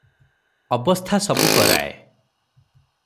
ଅବସ୍ଥା ସବୁ କରାଏ ।